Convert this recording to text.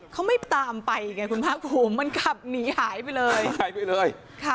เขาไม่ตามไปไงคุณภาคคุมมันกลับหนีหายไปเลย